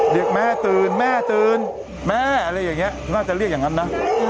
เรียกแม่ตื่นแม่ตื่นแม่อะไรอย่างนี้น่าจะเรียกอย่างนั้นนะ